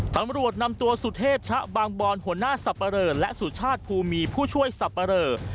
ตำรวจนำตัวสุเทพชะบางบอนหัวหน้าสับปะเรอและสุชาติภูมีผู้ช่วยสับปะเรอ